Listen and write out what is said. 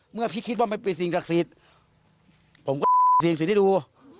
เมื่อพี่คิดว่าไม่มีสิ่งกศิษย์ผมก็สิ่งสิทธิ์ที่ดู